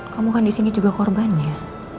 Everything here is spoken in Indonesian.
kamu kan disini juga korbannya